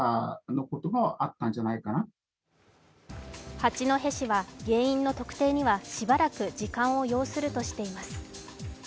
八戸市は原因の特定にはしばらく時間を要するとしています。